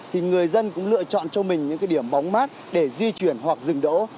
thì người dân cũng lựa chọn cho mình những cái điểm bóng mát để di chuyển hoặc dừng đỗ